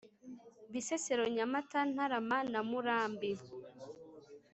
Bisesero Nyamata Ntarama na Murambi